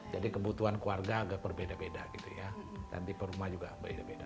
jadi kebutuhan keluarga agak berbeda beda gitu ya dan tipe rumah juga berbeda beda